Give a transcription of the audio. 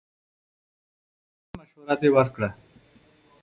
څه مشوره دې ورکړه!